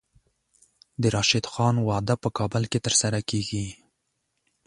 د راشد خان واده په کابل کې ترسره کیږي.